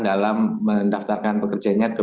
dalam mendaftarkan pekerjanya ke